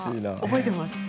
覚えていますか？